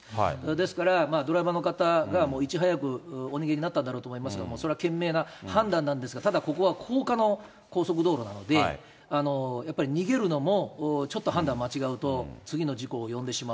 ですから、ドライバーの方がいち早くお逃げになったんだろうと思いますが、それは賢明な判断なんですが、ただここは高架の高速道路なので、やっぱり逃げるのもちょっと判断を間違うと、次の事故を呼んでしまう。